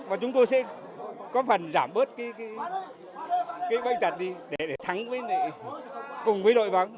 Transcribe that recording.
và chúng tôi sẽ có phần giảm bớt cái bệnh tật đi để thắng cùng với đội bắn